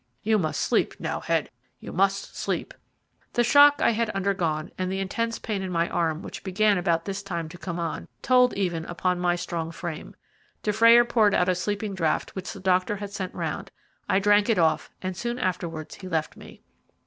You must sleep now, Head, you must sleep." The shock I had undergone, and the intense pain in my arm which began about this time to come on, told even upon my strong frame. Dufrayer poured out a sleeping draught which the doctor had sent round I drank it off, and soon afterwards he left me.